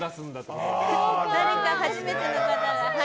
誰か、初めての方が。